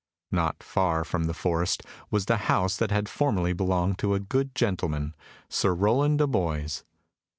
Not far from the forest was the house that had formerly belonged to a good gentleman Sir Rowland de Boys.